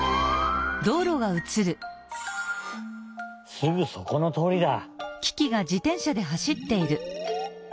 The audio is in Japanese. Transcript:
すぐそこのとおりだ。